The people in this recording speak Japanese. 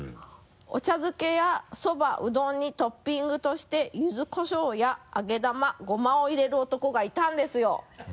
お茶漬けやそば・うどんにトッピングとして柚子こしょうや揚げ玉・ゴマを入れる男がいたんですよ。